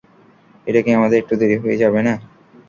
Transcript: এটা কি আমাদের একটু দেরি হয়ে যাবে না?